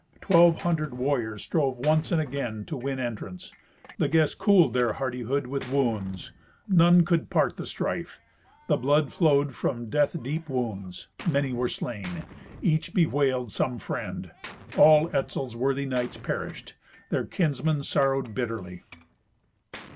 Twelve hundred warriors strove once and again to win entrance. The guests cooled their hardihood with wounds. None could part the strife. The blood flowed from death deep wounds. Many were slain. Each bewailed some friend. All Etzel's worthy knights perished. Their kinsmen sorrowed bitterly.